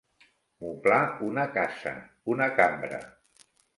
Moblar una casa, una cambra.